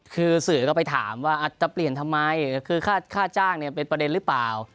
คือสื่อก็ไปถามว่าอาจจะเปลี่ยนทำไมคือค่าจ้างเนี่ยเป็นประเด็นหรือเปล่า